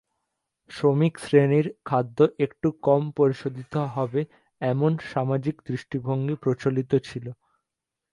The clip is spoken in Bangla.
শ্রমিক শ্রেণির খাদ্য একটু কম পরিশোধিত হবে এমন সামাজিক দৃষ্টিভঙ্গি প্রচলিত ছিল।